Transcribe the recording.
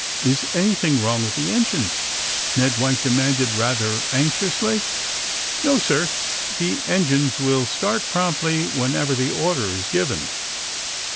'*Is anything wrong with the engines?" Ned White demanded, rather anxiously. ^^No, sir. The engines will start promptly whenever the order is given."